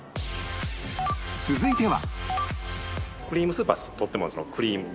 続いては